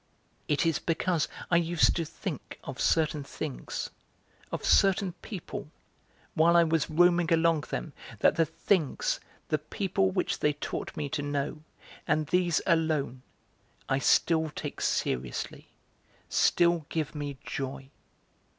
It is because I used to think of certain things, of certain people, while I was roaming along them, that the things, the people which they taught me to know, and these alone, I still take seriously, still give me joy.